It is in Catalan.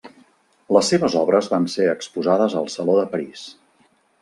Les seves obres van ser exposades al Saló de París.